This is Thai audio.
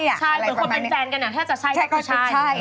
ใช่แต่ว่าคนเป็นแจนกันถ้าจะใช่ก็จะใช่